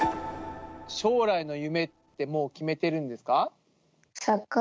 将来の夢ってもう決めてるん